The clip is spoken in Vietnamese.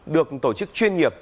được tổ chức chuyên nghiệp